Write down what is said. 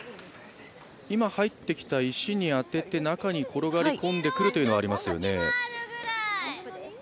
今入ってきた石に当てて中に転がり込んでくることがあります。